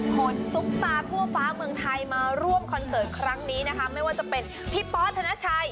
ขนซุปตาทั่วฟ้าเมืองไทยมาร่วมคอนเสิร์ตครั้งนี้นะคะไม่ว่าจะเป็นพี่ป๊อสธนชัย